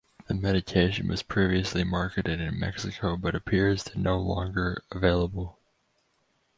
The medication was previously marketed in Mexico but appears to no longer available.